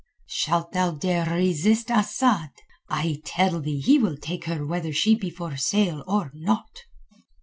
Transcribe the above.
"Shalt thou dare resist Asad? I tell thee he will take her whether she be for sale or not."